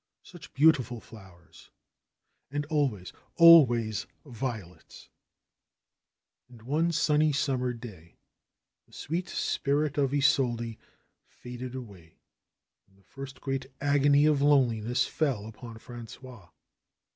Such beautiful flowers! And always, always violets ! And one sunny summer day the sweet spirit of Isolde faded away and the first great agony of loneliness fell upon Frangois.